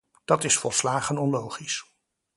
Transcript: Dat is volslagen onlogisch.